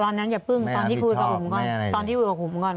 ตอนนั้นอย่าปึ้งตอนที่คุยกับผมก่อนตอนที่อยู่กับผมก่อน